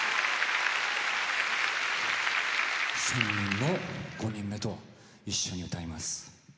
１，０００人の５人目と一緒に歌います。